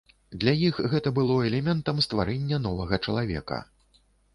Для іх гэта было элементам стварэння новага чалавека.